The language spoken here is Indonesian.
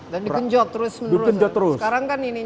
dikenjok terus menerus sekarang kan ini